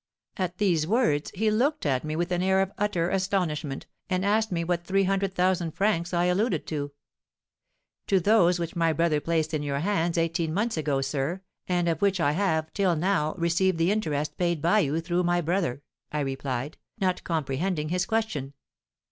At these words, he looked at me with an air of utter astonishment, and asked me what three hundred thousand francs I alluded to. 'To those which my brother placed in your hands eighteen months ago, sir, and of which I have, till now, received the interest paid by you through my brother,' I replied, not comprehending his question.